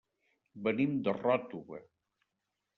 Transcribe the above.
Venim de Ròtova.